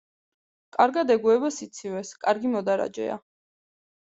კარგად ეგუება სიცივეს, კარგი მოდარაჯეა.